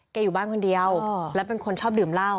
อยู่บ้านคนเดียวและเป็นคนชอบดื่มเหล้า